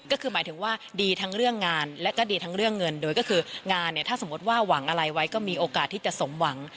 ก็คือหมายถึงว่าดีทั้งเรื่องงานและก็ดีทั้งเรื่องเงินโดยก็คืองานเนี่ยถ้าสมมติว่าหวังอะไรไว้ก็มีโอกาสที่จะสมหวัง